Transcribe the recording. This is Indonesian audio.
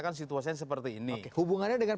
kan situasinya seperti ini hubungannya dengan